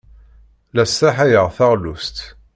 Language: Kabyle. La sraḥayeɣ taɣlust.